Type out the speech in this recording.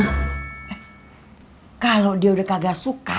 eh kalau dia udah kagak suka